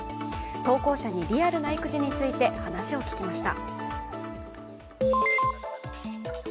投稿者にリアルな育児について話を聞きました。